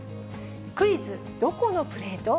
クイズ、どこのプレート？